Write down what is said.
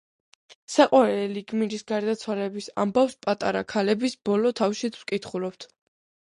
საყვარელი გმირის გარდაცვალების ამბავს „პატარა ქალების“ ბოლო თავშიც ვკითხულობთ.